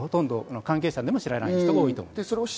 関係者でも知らない人が多いと思います。